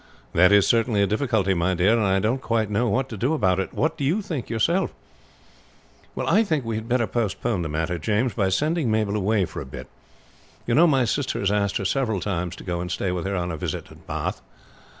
"That is certainly a difficulty, my dear; and I don't quite know what to do about it. What do you think yourself?" "I think we had better postpone the matter, James, by sending Mabel away for a bit. You know my sister has asked her several times to go and stay with her on a visit at Bath.